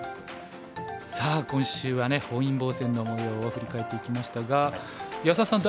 さあ今週はね本因坊戦のもようを振り返っていきましたが安田さん